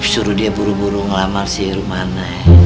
suruh dia buru buru ngelamar si rumahnya